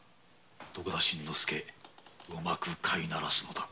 徳田新之助うまく飼い馴らすのだ。